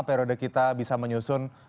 periode kita bisa menyusun